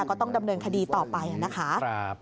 ก็ต้องดำเนินคดีต่อไปนะคะ